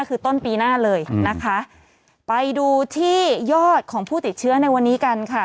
คือต้นปีหน้าเลยนะคะไปดูที่ยอดของผู้ติดเชื้อในวันนี้กันค่ะ